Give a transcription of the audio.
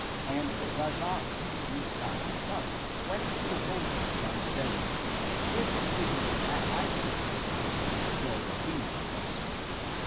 And Vazan, Misdai's son, went to the sol diers and said, '* Give him to me that I may speak to him till the king comes."